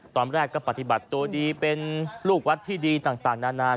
ตอนแรกก็ปฏิบัติตัวดีเป็นลูกวัดที่ดีต่างนานา